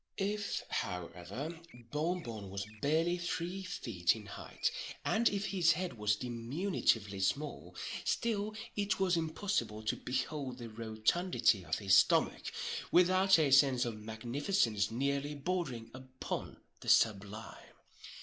If, however, Bon Bon was barely three feet in height, and if his head was diminutively small, still it was impossible to behold the rotundity of his stomach without a sense of magnificence nearly bordering upon the sublime.